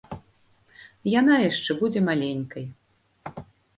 Яна яшчэ будзе маленькай.